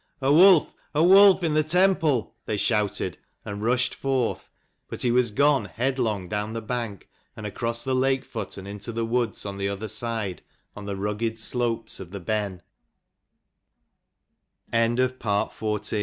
" A wolf, a wolf in the temple !" they shouted, and rushed forth. But he was gone headlong down the bank and across the lake foot and into the woods on the other side, on the rugged slopes of the B